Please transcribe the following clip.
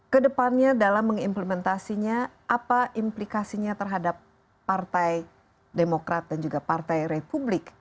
kedepannya dalam mengimplementasinya apa implikasinya terhadap partai demokrat dan juga partai republik